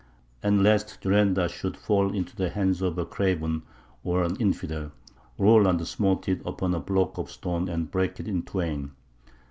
And lest Durenda should fall into the hands of a craven or an infidel, Roland smote it upon a block of stone and brake it in twain.